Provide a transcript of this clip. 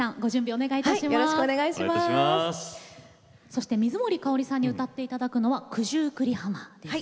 そして、水森かおりさんに歌っていただくのは「九十九里浜」です。